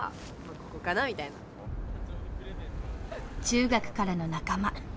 中学からの仲間。